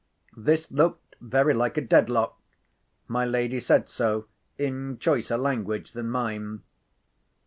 This looked very like a dead lock. My lady said so, in choicer language than mine.